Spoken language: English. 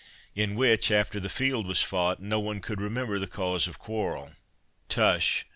in which, after the field was fought, no one could remember the cause of quarrel.—Tush!